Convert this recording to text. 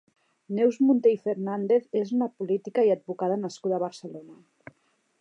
Neus Munté i Fernández és una política i advocada nascuda a Barcelona.